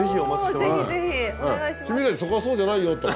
君たちそこはそうじゃないよとか。